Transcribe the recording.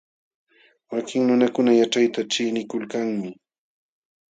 Wakin nunakuna yaćhayta ćhiqnikulkanmi.